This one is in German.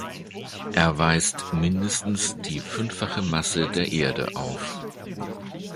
Er weist mindestens die fünffache Masse der Erde auf.